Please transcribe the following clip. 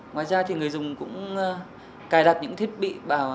ngoài ra thì người dùng cũng cài đặt những thiết bị